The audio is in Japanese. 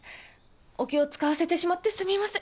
お気を使わせてしまってすみませ。